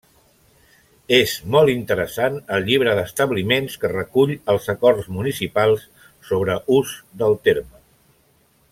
És molt interessant el Llibre d'Establiments que recull els acords municipals sobre ús del terme.